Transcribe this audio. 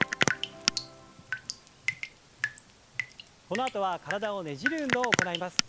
このあとは体をねじる運動を行います。